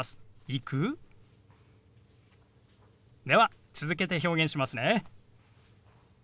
では続けて表現しますね。